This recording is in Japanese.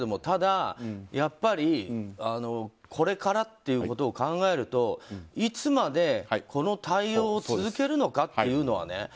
ただ、これからということを考えるといつまで、この対応を続けるのかというのはね。